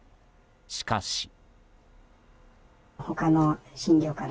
しかし。